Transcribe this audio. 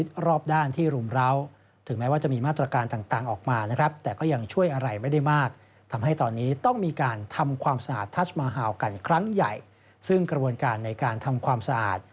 สร้างใหญ่ซึ่งกระบวนการในการทำความสะอาด